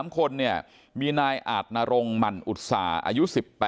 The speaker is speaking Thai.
๓คนมีนายอาจนรงมันอุตสาอายุ๑๘